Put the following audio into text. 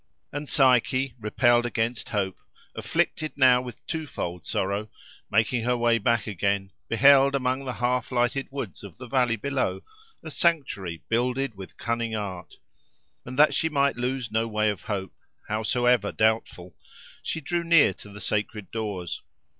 And Psyche, repelled against hope, afflicted now with twofold sorrow, making her way back again, beheld among the half lighted woods of the valley below a sanctuary builded with cunning art. And that she might lose no way of hope, howsoever doubtful, she drew near to the sacred doors.